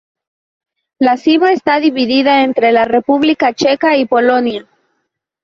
La cima está dividida entre la República Checa y Polonia.